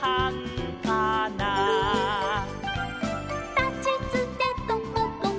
「たちつてとことこ」